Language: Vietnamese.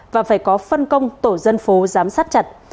và phải có phân công tổ dân phố giám sát chặt